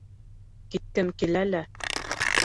— Киткем килә лә...